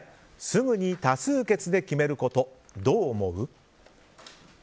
すぐに多数決で決めることどう思う？